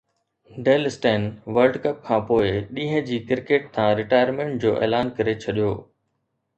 deal Steyn world cup کانپوءِ ڏينهن جي ڪرڪيٽ تان رٽائرمينٽ جو اعلان ڪري ڇڏيو